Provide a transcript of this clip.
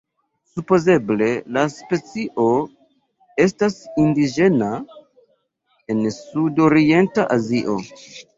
Supozeble la specio estas indiĝena en sud-orienta Azio.